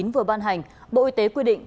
vừa ban hành bộ y tế quy định